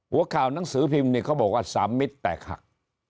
หัวข่าวหนังสือพิมพ์เนี่ยเขาบอกว่า๓มิตรแตกหัก